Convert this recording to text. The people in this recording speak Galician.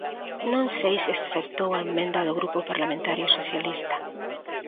Non sei se aceptou a emenda do Grupo Parlamentario Socialista.